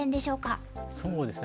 そうですね